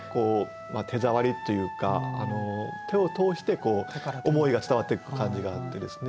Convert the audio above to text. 手触りというか手を通して思いが伝わっていく感じがあってですね。